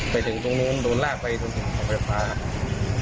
ไปถึงตรงนู้นโดนลากไปจนถึงเสาไฟฟ้า